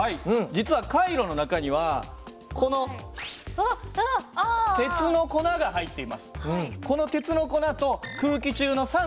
実はカイロの中にはこの鉄の粉が入っています。